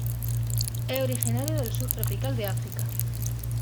Es originario del sur tropical de África.